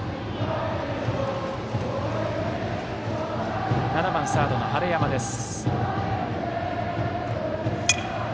打席には７番サード、晴山です。